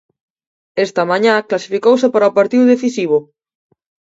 Esta mañá clasificouse para o partido decisivo.